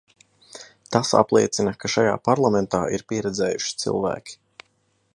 Tas apliecina, ka šajā Parlamentā ir pieredzējuši cilvēki.